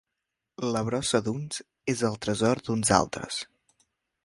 La brossa d'uns és el tresor d'uns altres.